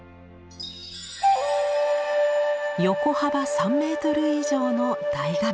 横幅３メートル以上の大画面。